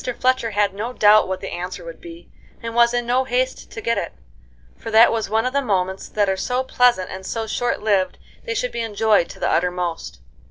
Fletcher had no doubt what the answer would be, and was in no haste to get it, for that was one of the moments that are so pleasant and so short lived they should be enjoyed to the uttermost.